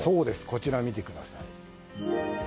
こちら見てください。